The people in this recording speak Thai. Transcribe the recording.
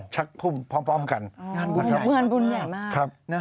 ชักพุมพร้อมกันไร้บุญใหญ่มาก